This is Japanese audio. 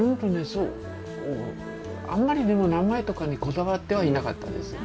そうあんまりでも名前とかにこだわってはいなかったです。